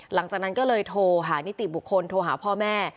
หลังจากนั้นก็เลยโทรหานิติบุคคลโทรหาพ่อแม่